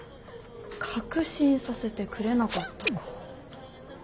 確信させてくれなかったかぁ。